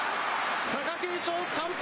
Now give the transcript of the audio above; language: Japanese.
貴景勝３敗。